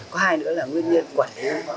có hai nữa là nguyên nhân quản lý